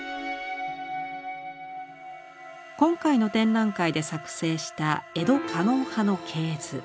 今回の展覧会で作成した江戸狩野派の系図。